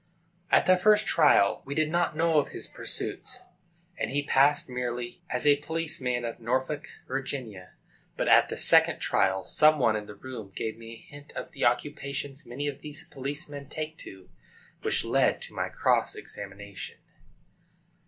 At the first trial we did not know of his pursuits, and he passed merely as a police man of Norfolk, Virginia. But, at the second trial, some one in the room gave me a hint of the occupations many of these police men take to, which led to my cross examination.